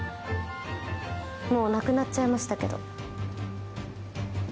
もう亡くなっちゃいましたけど。